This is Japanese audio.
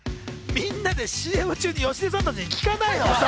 みんなでＣＭ中に芳根さん達に聞かないの！